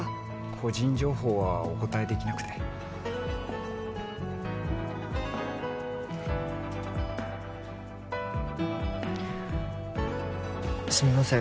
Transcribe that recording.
個人情報はお答えできなくてすみません